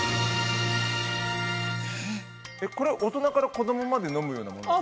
これ大人から子供まで飲むようなものですか？